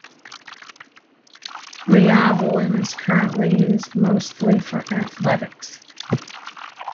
Ryavallen is currently used mostly for athletics.